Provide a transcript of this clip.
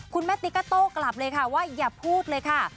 ติ๊กก็โต้กลับเลยค่ะว่าอย่าพูดเลยค่ะ